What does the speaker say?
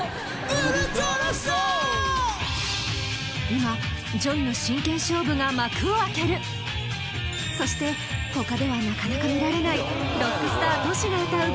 今ＪＯＹの真剣勝負が幕を開けるそしてほかではなかなか見られないロックスターＴｏｓｈｌが歌うＢ